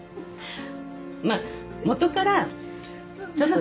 まあ元からちょっと